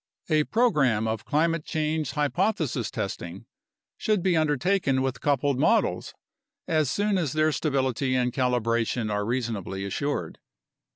A program of climate change hypothesis testing should be under taken with coupled models, as soon as their stability and calibration are reasonably assured.